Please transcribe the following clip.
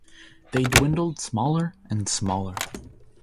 They dwindled smaller and smaller.